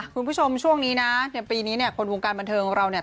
คุณผู้ชมช่วงนี้นะในปีนี้เนี่ยคนวงการบันเทิงของเราเนี่ย